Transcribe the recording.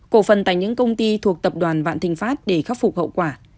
cổ phần tại những công ty thuộc tập đoàn vạn thịnh pháp để khắc phục hậu quả